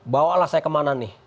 bawalah saya kemana nih